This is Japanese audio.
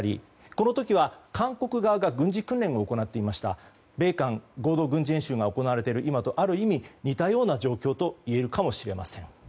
この時は韓国側が軍事訓練を行っていて米韓合同軍事演習が行われている今とある意味似たような状況といえるかもしれません。